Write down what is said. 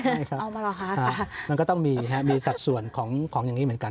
ไม่ครับมันก็ต้องมีค่ะมีสัดส่วนของอย่างนี้เหมือนกัน